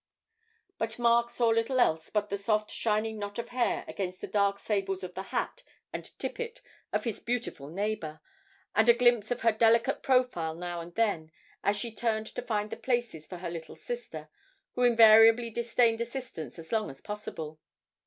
But Mark saw little else but the soft shining knot of hair against the dark sables of the hat and tippet of his beautiful neighbour, and a glimpse of her delicate profile now and then, as she turned to find the places for her little sister, who invariably disdained assistance as long as possible.